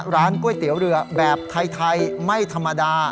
ร้านก๋วยเตี๋ยวเรือแบบไทยไม่ธรรมดา